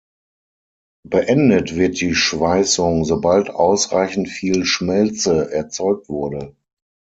Beendet wird die Schweißung sobald ausreichend viel Schmelze erzeugt wurde.